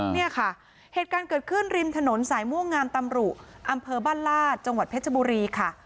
เนี่ยค่ะเหตุการณ์เกิดขึ้นริมถนนสายม่วงงามตำรุอำเภอบ้านลาดจังหวัดเพชรบุรีค่ะ